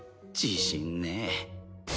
自信ね。